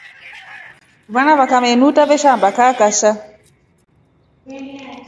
Vana vakame nuuta veshiamba kaakasha.